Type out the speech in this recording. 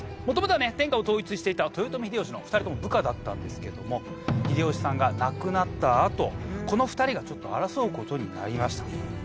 元々はね天下を統一していた豊臣秀吉の２人とも部下だったんですけども秀吉さんが亡くなったあとこの２人が争う事になりました。